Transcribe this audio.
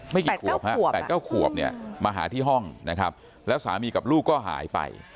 แปดเก้าขวบมาหาที่ห้องนะครับแล้วสามีกับลูกก็หายไป